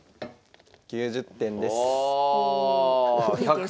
９０点です。